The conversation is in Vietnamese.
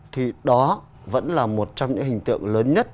thì đó vẫn là một trong những hình tượng lớn nhất